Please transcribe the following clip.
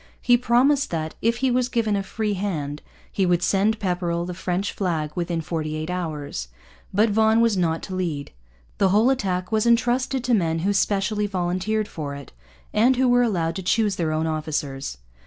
He promised that, if he was given a free hand, he would send Pepperrell the French flag within forty eight hours. But Vaughan was not to lead. The whole attack was entrusted to men who specially volunteered for it, and who were allowed to choose their own officers.